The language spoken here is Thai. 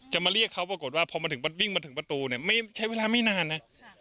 มาเรียกเขาปรากฏว่าพอมาถึงวิ่งมาถึงประตูเนี่ยไม่ใช้เวลาไม่นานนะ